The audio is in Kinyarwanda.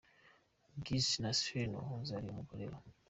Giggs na Stacey wahoze ari umugore we .